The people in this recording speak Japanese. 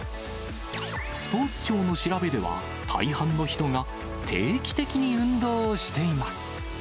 スポーツ庁の調べでは、大半の人が定期的に運動をしています。